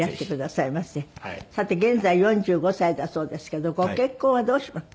さて現在４５歳だそうですけどご結婚はどうします？